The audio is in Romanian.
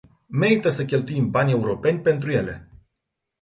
Merită să cheltuim bani europeni pentru ele.